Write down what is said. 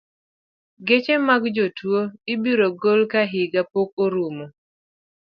Geche mag jotuo ibiro gol ka higa pok orumo.